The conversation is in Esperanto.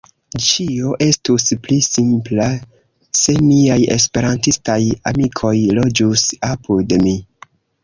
Ĉio estus pli simpla se miaj Esperantistaj amikoj loĝus apud mi.